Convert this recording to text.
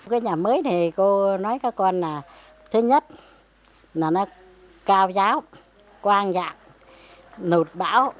cái nhà mới này cô nói các con là thứ nhất là nó cao giáo quang dạng nụt bão